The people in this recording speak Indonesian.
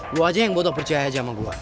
lu aja yang bodoh percaya aja sama gue